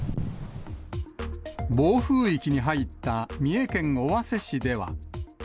暴風域に入った三重県尾鷲市では。